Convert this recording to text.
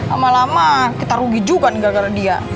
lama lama kita rugi juga nih gara gara dia